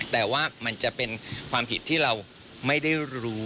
แต่ว่ามันจะเป็นความผิดที่เราไม่ได้รู้